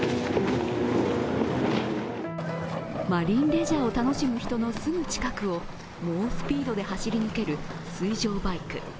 マリンレジャーを楽しむ人のすぐ近くを猛スピードで走り抜ける水上バイク。